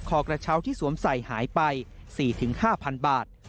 กระเช้าที่สวมใส่หายไป๔๕๐๐๐บาท